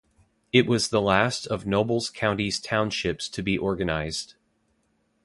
It was the last of Nobles County's townships to be organized.